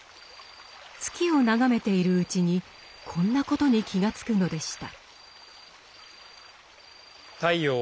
月を眺めているうちにこんなことに気が付くのでした。